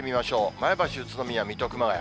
前橋、宇都宮、水戸、熊谷。